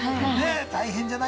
大変じゃない？